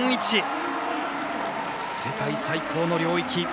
世界最高の領域。